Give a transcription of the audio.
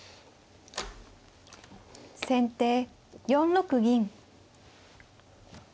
先手４六銀。